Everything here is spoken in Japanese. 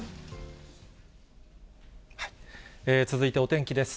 続いてお天気です。